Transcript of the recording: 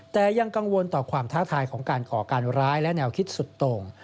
แต่ยังกังวลต่อความท้าทายของการก่อการร้ายและแนวคิดสุดตรง